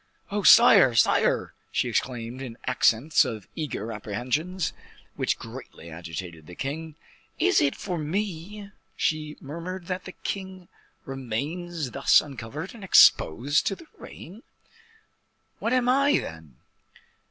"Oh, sire, sire!" she exclaimed, in accents of eager apprehensions, which greatly agitated the king. "Is it for me," she murmured, "that the king remains thus uncovered, and exposed to the rain? What am I, then?"